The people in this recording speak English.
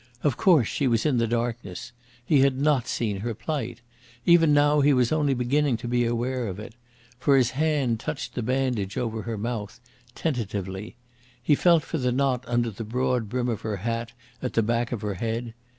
Of course, she was in the darkness. He had not seen her plight. Even now he was only beginning to be aware of it. For his hand touched the bandage over her mouth tentatively. He felt for the knot under the broad brim of her hat at the back of her head.